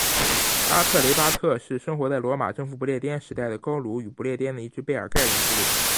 阿特雷巴特人是生活在罗马征服不列颠时代的高卢与不列颠的一只贝尔盖人部落。